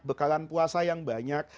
bekalan puasa yang banyak